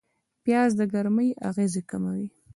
پیاز د ګرمۍ اغېز کموي